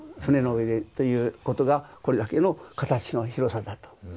船の上でということがこれだけの形の広さだと。